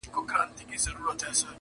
د خپل رقیب کړو نیمه خوا لښکري!!